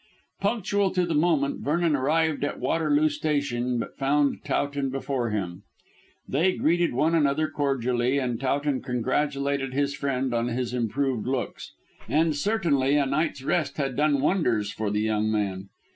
Punctual to the moment Vernon arrived at Waterloo Station, but found Towton before him. They greeted one another cordially, and Towton congratulated his friend on his improved looks. And certainly a night's rest had done wonders for the young man.